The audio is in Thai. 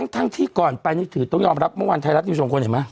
ทั้งที่ก่อนไปนี่ถือต้องยอมรับเมื่อวานไทยรัฐนิวโชว์คนเห็นไหม